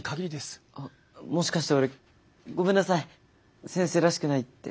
あっもしかして俺ごめんなさい「先生らしくない」って。